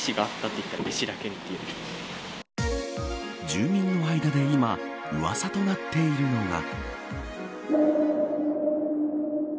住民の間で今うわさとなっているのが。